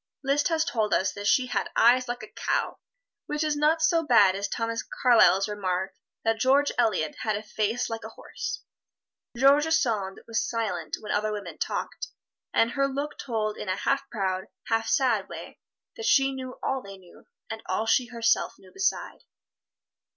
Liszt has told us that "she had eyes like a cow," which is not so bad as Thomas Carlyle's remark that George Eliot had a face like a horse. George Sand was silent when other women talked, and her look told in a half proud, half sad way that she knew all they knew, and all she herself knew beside.